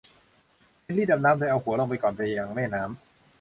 เฮนรี่ดำน้ำโดยเอาหัวลงก่อนไปยังแม่น้ำ